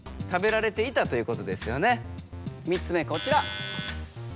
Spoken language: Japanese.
３つ目こちら。